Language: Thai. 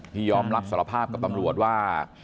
ยอมรับสารภาพกับตำรวจว่า